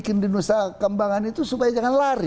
orang di nusa kambangan itu supaya jangan lari